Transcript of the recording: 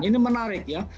ini menarik ya